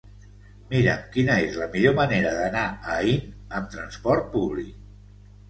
Mira'm quina és la millor manera d'anar a Aín amb transport públic.